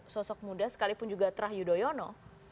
sosok muda sekalipun juga terah yudhoyono